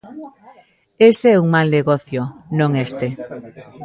Ese é un mal negocio, non este.